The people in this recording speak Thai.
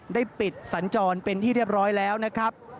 ได้ปิดสัญจรเป็นที่เรียบร้อยแล้วนะครับ